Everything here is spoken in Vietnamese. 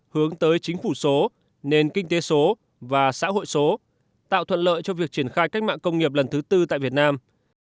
hướng tới chính phủ số nền kinh tế số và xã hội số tạo thuận lợi cho việc triển khai cách mạng công nghiệp lần thứ tư tại việt nam